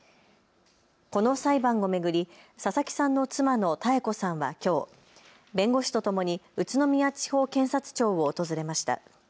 この裁判を巡り佐々木さんの妻の多恵子さんはきょう、弁護士とともに宇都宮地方検察庁を訪れました。